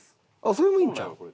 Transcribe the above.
それもいいんちゃう？